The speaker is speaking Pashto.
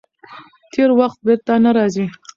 تېر وخت بېرته نه راځي.